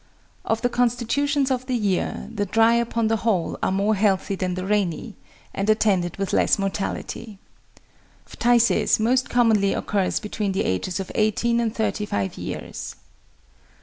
"Of the constitutions of the year, the dry upon the whole are more healthy than the rainy, and attended with less mortality." "Phthisis most commonly occurs between the ages of eighteen and thirty five years."